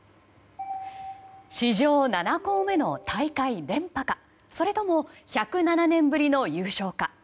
史上７校目の大会連覇かそれとも１０７年ぶりの優勝か。